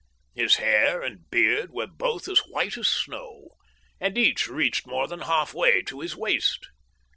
His hair and beard were both as white as snow, and each reached more than half way to his waist.